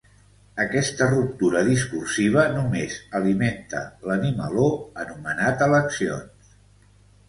Aquesta ruptura discursiva només alimenta l’animaló anomenat eleccions.